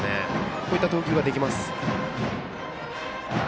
こういった投球ができます。